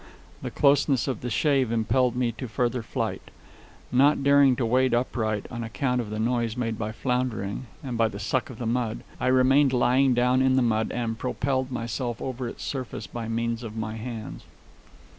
The closeness of the shave impelled me to further flight. Not daring to wade upright, on account of the noise made by floundering and by the suck of the mud, I remained lying down in the mud and propelled myself over its surface by means of my hands.